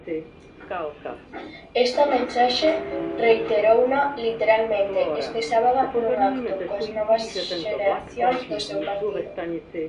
Esta mensaxe reiterouna literalmente este sábado nun acto coas Novas Xeracións do seu partido.